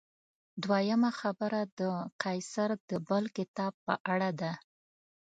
دویمه خبره د قیصر د بل کتاب په اړه ده.